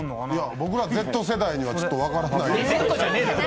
僕らＺ世代にはちょっと分からない。